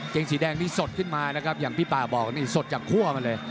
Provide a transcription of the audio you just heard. งสีแดงนี่สดขึ้นมานะครับอย่างพี่ป่าบอกนี่สดจากคั่วมาเลย